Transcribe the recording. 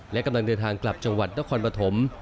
และกำลังเดินทางกลับจังหวัดนครปฐม